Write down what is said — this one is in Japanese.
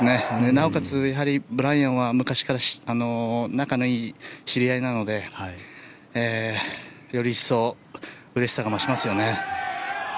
なおかつ、ブライアンは昔から仲のいい知り合いなのでより一層うれしさが増しますよね。